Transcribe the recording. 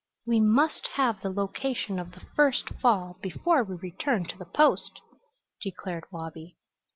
"We must have the location of the first fall before we return to the Post," declared Wabi.